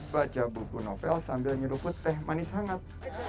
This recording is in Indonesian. baca buku novel sambil nyuruh putih manis hangat